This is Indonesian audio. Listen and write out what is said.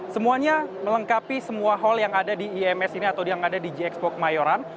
semuanya melengkapi semua hall yang ada di ims ini atau yang ada di gxpo kemayoran